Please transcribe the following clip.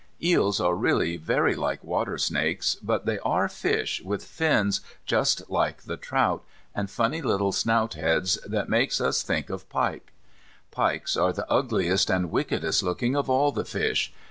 Eels are really very like water snakes, but they are fish, with fins just like the trout, and funny little snoutheads, that make us think of pike. Pike are the ugliest and wickedest looking of all the fish.